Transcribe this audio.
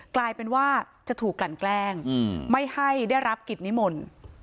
กลายเป็นว่าจะถูกกลั่นแกล้งไม่ให้ได้รับกิจนิมนต์